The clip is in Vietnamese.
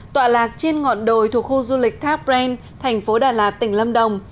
tọa lạc trên ngọn đồi thuộc khu du lịch tháp ren thành phố đà lạt tỉnh lâm đồng